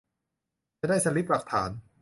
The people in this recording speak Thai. จะได้สลิปหลักฐาน